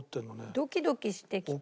ドキドキしてきた。